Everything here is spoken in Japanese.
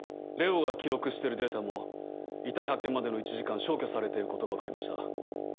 ＬＥＯが記録してるデータも遺体発見までの１時間消去されていることが分かりました。